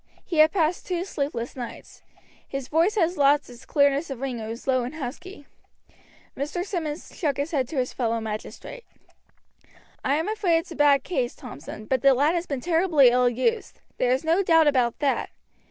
He had passed two sleepless nights; his voice had lost its clearness of ring and was low and husky. Mr. Simmonds shook his head to his fellow magistrate. "I am afraid it's a bad case, Thompson, but the lad has been terribly ill used, there is no doubt about that.